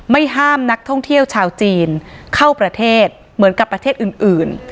ห้ามนักท่องเที่ยวชาวจีนเข้าประเทศเหมือนกับประเทศอื่น